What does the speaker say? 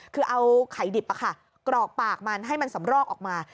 คือเอาไข่ดิบกรอกปากมันให้มันสำรอกออกมา